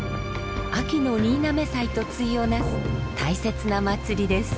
秋の新嘗祭と対をなす大切な祭りです。